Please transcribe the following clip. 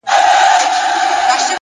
هره هڅه د ځان پېژندنې برخه ده’